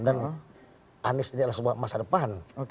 dan anies ini adalah sebuah masa depan